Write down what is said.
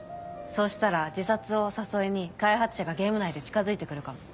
そうしたら自殺を誘いに開発者がゲーム内で近づいて来るかも。